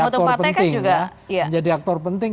aktor penting ya menjadi aktor penting